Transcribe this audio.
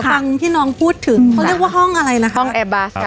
ฟังที่น้องพูดถึงเขาเรียกว่าห้องอะไรนะห้องแอร์บัส